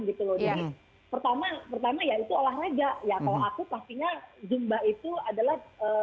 gitu loh jadi pertama pertama yaitu olahraga ya kalau aku pastinya zumba itu adalah